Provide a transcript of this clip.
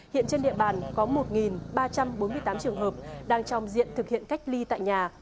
hiện trên địa bàn có một ba trăm bốn mươi tám trường hợp đang trong diện thực hiện cách ly tại nhà